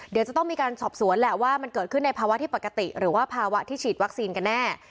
เดี๋ยวจะต้องมีการสอบสวนแหละว่ามันเกิดขึ้นในภาวะที่ปกติหรือว่าภาวะที่ฉีดวัคซีนกันแน่